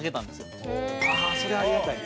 蛍原：それは、ありがたいね。